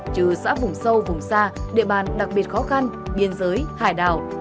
trừ xã vùng sâu vùng xa địa bàn đặc biệt khó khăn biên giới hải đảo